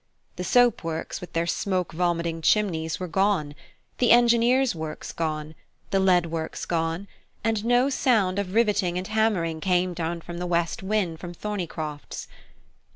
The soap works with their smoke vomiting chimneys were gone; the engineer's works gone; the lead works gone; and no sound of rivetting and hammering came down the west wind from Thorneycroft's.